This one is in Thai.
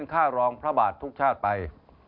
ค่ารองพระบาททุกชาติไป